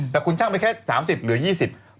แต่คุณชั่งไปแค่๓๐กิโลกรัมหรือ๒๐กิโลกรัม